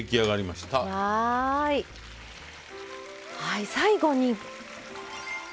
はい最後に。